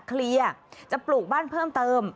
เคลียร์จะปลูกบ้านเพิ่มเติม